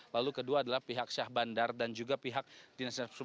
lalu kedua adalah pihak syah bandar dan juga pihak dinas perhubungan